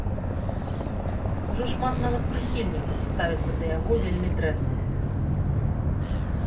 Ужо шмат нават прыхільнікаў ставяцца да яго вельмі дрэнна.